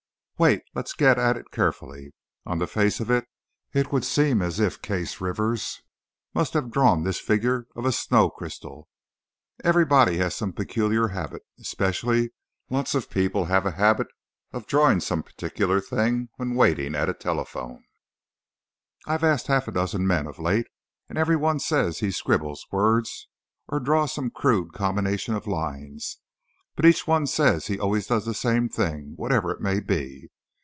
"Wait, let's get at it carefully. On the face of it, it would seem as if Case Rivers must have drawn this figure of a snow crystal. Everybody has some peculiar habit, and especially, lots of people have a habit of drawing some particular thing when waiting at a telephone. "I've asked half a dozen men of late, and every one says he scribbles words or draws some crude combination of lines. But each one says he always does the same thing, whatever it may be.